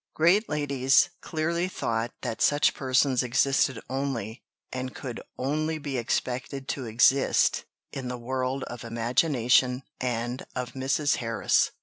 '" Great ladies clearly thought that such persons existed only, and could only be expected to exist, in the world of imagination and of Mrs. Harris.